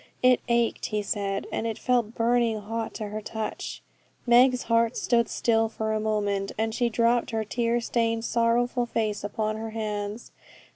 It ached, he said; and it felt burning hot to her touch. Meg's heart stood still for a moment, and then she dropped her tear stained sorrowful face upon her hands.